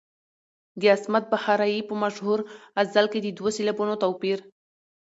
د عصمت بخارايي په مشهور غزل کې د دوو سېلابونو توپیر.